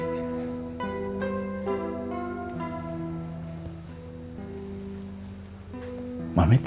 sampai ketemu kang mus ksnada